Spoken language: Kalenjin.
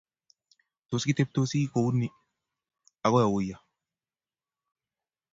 Tos kiteptosi kou ni akoy auyo?